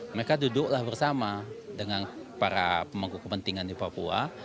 mereka duduklah bersama dengan para pemangku kepentingan di papua